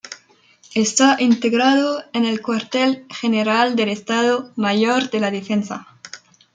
Está integrado en el Cuartel General del Estado Mayor de la Defensa.